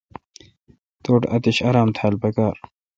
توٹھ اتش آرام تھال پکار۔